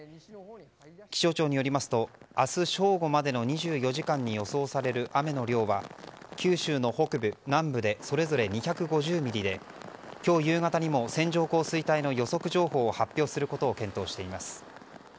気象庁によりますと明日正午までの２４時間に予想される雨の量は九州の北部、南部でそれぞれ２５０ミリで今日夕方にも線状降水帯の予測情報を発表することを検討しています。